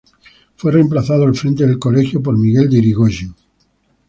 Fue reemplazado al frente del Colegio por Miguel de Irigoyen.